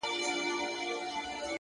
گرانه دا اوس ستا د ځوانۍ په خاطر!!